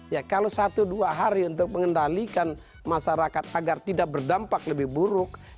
ya kalau satu dua hari untuk mengendalikan masyarakat agar tidak berdampak lebih buruk